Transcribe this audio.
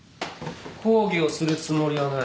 講義をするつもりはない。